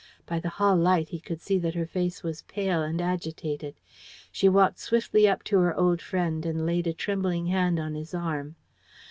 By the hall light he could see that her face was pale and agitated. She walked swiftly up to her old friend, and laid a trembling hand on his arm.